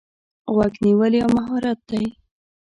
غوږ نیول یو مهارت دی.